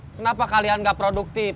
kenapa kalian gak produktif